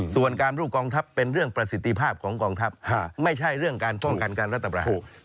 ส่วนการรูปกองทัพเป็นเรื่องประสิทธิภาพของกองทัพไม่ใช่เรื่องการป้องกันการรัฐประหาร